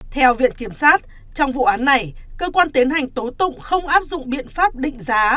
theo viện kiểm sát trong vụ án này cơ quan tiến hành tố tụng không áp dụng biện pháp định giá